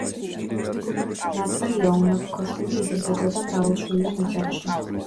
ნატალია უნაფქოშვილი იზრდებოდა მრავალშვილიან ოჯახში.